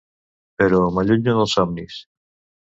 Però m'allunyo dels somnis.